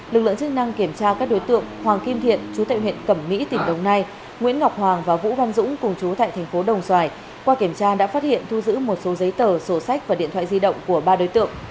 lực lượng chức năng kiểm tra các đối tượng hoàng kim thiện chú tại huyện cẩm mỹ tỉnh đồng nai nguyễn ngọc hoàng và vũ văn dũng cùng chú tại thành phố đồng xoài qua kiểm tra đã phát hiện thu giữ một số giấy tờ sổ sách và điện thoại di động của ba đối tượng